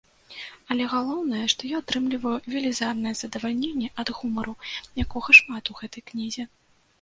Але галоўнае, што я атрымліваю велізарнае задавальненне ад гумару, якога шмат у гэтай кнізе.